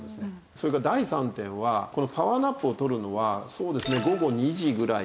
それから第３点はこのパワーナップをとるのは午後２時ぐらいまで。